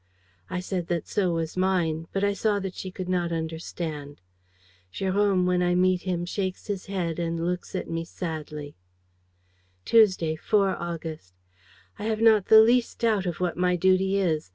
"I said that so was mine; but I saw that she could not understand. "Jérôme, when I meet him, shakes his head and looks at me sadly. "Tuesday, 4 August. "I have not the least doubt of what my duty is.